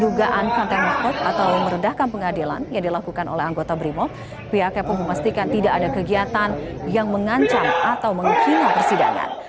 dugaan konten hot atau merendahkan pengadilan yang dilakukan oleh anggota brimob pihaknya pun memastikan tidak ada kegiatan yang mengancam atau menghina persidangan